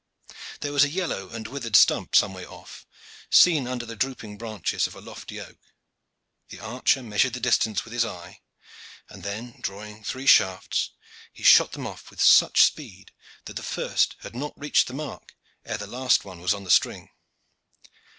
There was a yellow and withered stump some way off, seen under the drooping branches of a lofty oak. The archer measured the distance with his eye; and then, drawing three shafts, he shot them off with such speed that the first had not reached the mark ere the last was on the string.